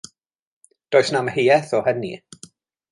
Does na'm amheuaeth o hynny.